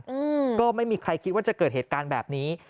อืมก็ไม่มีใครคิดว่าจะเกิดเหตุการณ์แบบนี้